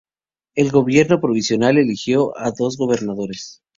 El gobierno provisional eligió a dos gobernadores.